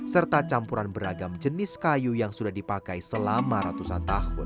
serta campuran beragam jenis kayu yang sudah dipakai selama ratusan tahun